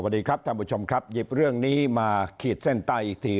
สวัสดีครับท่านผู้ชมครับหยิบเรื่องนี้มาขีดเส้นใต้อีกที